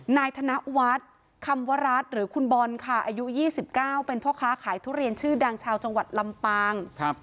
นายธนวัฒน์คำวรัฐหรือคุณบอลค่ะอายุ๒๙เป็นพ่อค้าขายทุเรียนชื่อดังชาวจังหวัดลำปาง